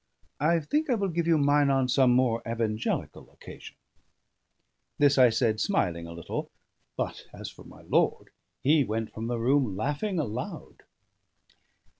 I think I will give you mine on some more evangelical occasion." This I said, smiling a little; but as for my lord, he went from the room laughing aloud.